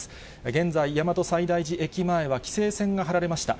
現在、大和西大寺駅前は規制線が張られました。